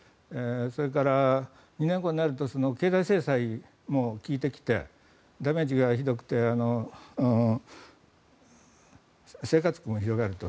それから、２年後になると経済制裁も効いてきてダメージがひどくて生活苦も広がると。